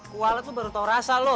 kuwalat lu baru tau rasa lu